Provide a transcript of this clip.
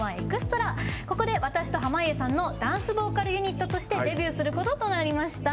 ここで私と濱家さんのダンスボーカルユニットとしてデビューすることとなりました。